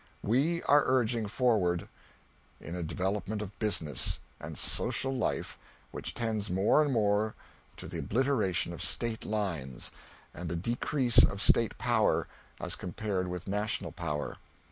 "We are urging forward in a development of business and social life which tends more and more to the obliteration of State lines and the decrease of State power as compared with national power."